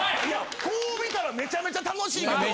こう見たらめちゃめちゃ楽しいけど。